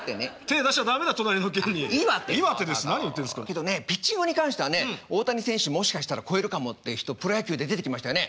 けどねピッチングに関してはね大谷選手もしかしたら超えるかもって人プロ野球で出てきましたよね。